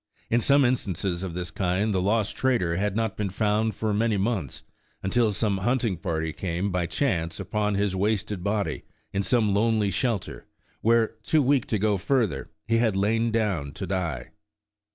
In some instances of this kind, the lost trader had not been found for many months, until some hunting party came, by chance, upon his wasted body in some lonely shelter, where, too weak to go further, he had lain down to die.